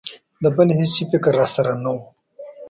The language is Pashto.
د بل هېڅ شي فکر را سره نه و.